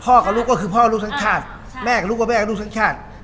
กับลูกก็คือพ่อลูกทั้งชาติแม่กับลูกกับแม่กับลูกทั้งชาติ